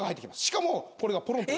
しかもこれがぽろんと。